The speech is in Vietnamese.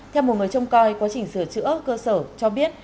theo một người trông coi quá trình sửa chữa cơ sở cho biết